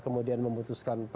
kemudian ke dpr kemudian ke dpr